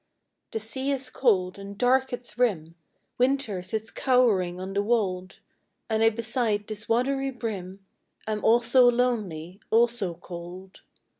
" The sea is cold, and dark its rim, Winter sits cowering on the wold, And I beside this watery brim, Am also lonely, also cold."